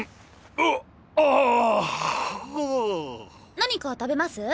何か食べます？